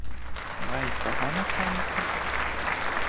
Ви й того не тямите?